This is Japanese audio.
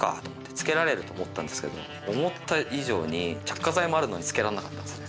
つけられると思ったんですけど思った以上に着火剤もあるのにつけられなかったんですね。